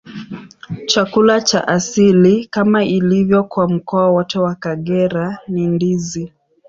Chakula cha asili, kama ilivyo kwa mkoa wote wa Kagera, ni ndizi.